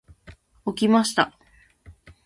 起きました。